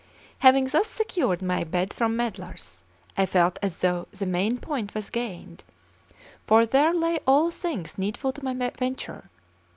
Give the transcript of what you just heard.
Having thus secured my bed from meddlers, I felt as though the main point was gained; for there lay all things needful to my venture.